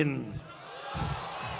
dan kemampuan kita